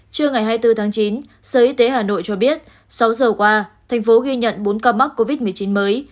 trưa ngày hai mươi bốn tháng chín sở y tế hà nội cho biết sáu giờ qua thành phố ghi nhận bốn ca mắc covid một mươi chín mới